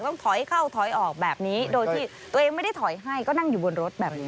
ต้องถอยเข้าถอยออกแบบนี้โดยที่ตัวเองไม่ได้ถอยให้ก็นั่งอยู่บนรถแบบนี้